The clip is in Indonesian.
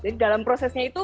jadi dalam prosesnya itu